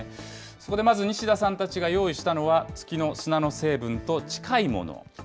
そこでまず西田さんたちが用意したのは、月の砂の成分と近いもの。